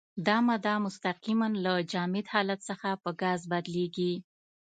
دا ماده مستقیماً له جامد حالت څخه په ګاز بدلیږي.